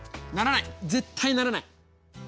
絶対ならない。